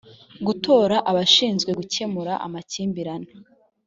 gutora abashinzwe gukemura amakimbirane